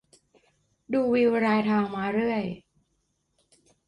ดูวิวรายทางมาเรื่อย